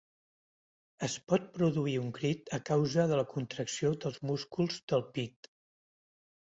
Es pot produir un crit a causa de la contracció dels músculs del pit.